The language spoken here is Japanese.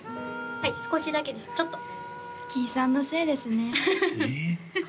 はい少しだけですちょっとキイさんのせいですねええ